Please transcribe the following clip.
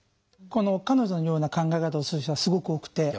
この彼女のような考え方をする人はすごく多くて。